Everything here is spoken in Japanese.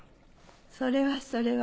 それはそれは。